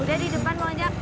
udah di depan pak ojak